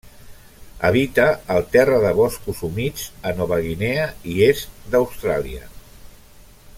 Habita al terra de boscos humits a Nova Guinea i est d'Austràlia.